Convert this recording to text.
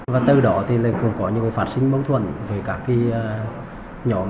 và từ đó thì lại cũng có những phát sinh mâu thuẫn với các nhóm